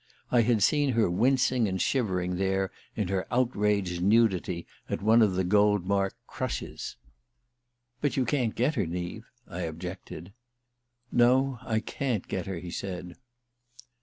I had seen her wincing and shivering there in her outraged nudity at one of the Goldmark "crushes." "But you can't get her, Neave," I objected. "No, I can't get her," he said.